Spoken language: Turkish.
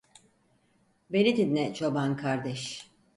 Beni dinle, çoban kardeş.